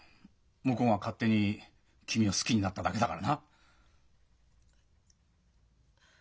向こうが勝手に君を好きになっただけだからな。